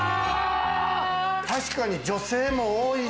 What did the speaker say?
確かに女性も多い。